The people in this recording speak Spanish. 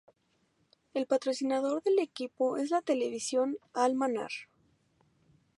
El patrocinador del equipo es la televisión Al-Manar.